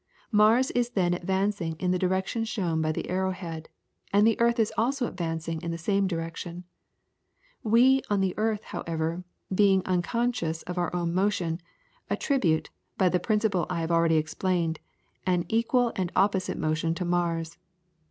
Mars is then advancing in the direction shown by the arrow head, and the earth is also advancing in the same direction. We, on the earth, however, being unconscious of our own motion, attribute, by the principle I have already explained, an equal and opposite motion to Mars.